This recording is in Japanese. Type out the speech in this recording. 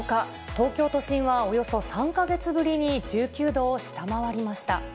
東京都心はおよそ３か月ぶりに１９度を下回りました。